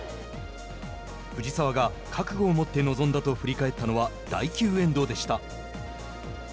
藤澤が覚悟をもって臨んだと振り返ったのは第９エンドでした。